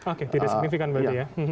oke tidak signifikan berarti ya